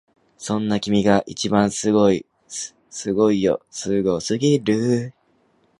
そんな君が一番すごいすごいよすごすぎる！